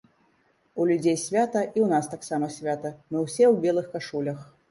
У людзей свята, і ў нас таксама свята, мы ўсе ў белых кашулях.